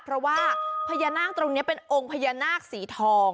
เพราะว่าพญานาคตรงนี้เป็นองค์พญานาคสีทอง